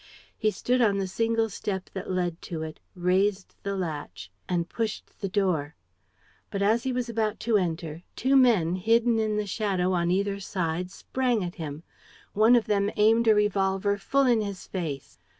He stood on the single step that led to it, raised the latch and pushed the door. But as he was about to enter, two men, hidden in the shadow on either side, sprang at him. One of them aimed a revolver full in his face.